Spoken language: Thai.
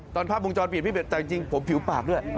ตอนภาพวงจรปิดแต่จริงผมผิวปากด้วย